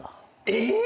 えっ！？